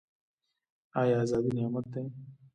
آیا ازادي نعمت دی؟